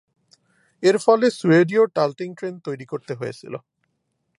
এর ফলে, সুয়েডীয় টাল্টিং ট্রেন তৈরি করতে হয়েছিল।